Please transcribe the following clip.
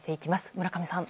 村上さん。